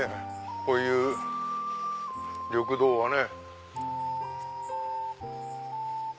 こういう緑道はね。